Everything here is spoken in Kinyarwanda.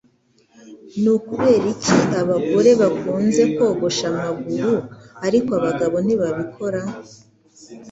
Ni ukubera iki abagore bakunze kogosha amaguru, ariko abagabo ntibabikora?